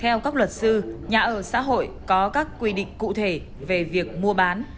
theo các luật sư nhà ở xã hội có các quy định cụ thể về việc mua bán